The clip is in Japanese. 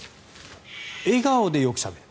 笑顔でよくしゃべる。